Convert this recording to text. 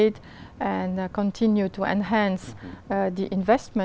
dựa dựa dựa